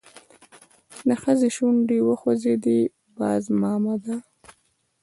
د ښځې شونډې وخوځېدې: باز مامده!